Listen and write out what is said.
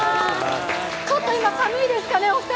ちょっと今、寒いですかね、お二人。